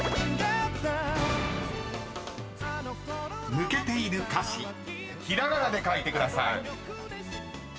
［抜けている歌詞ひらがなで書いてください］